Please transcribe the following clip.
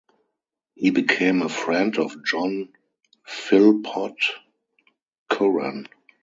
He became a friend of John Philpot Curran.